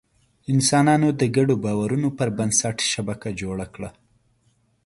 انسانانو د ګډو باورونو پر بنسټ شبکه جوړه کړه.